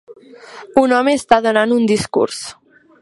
Un home està donant un discurs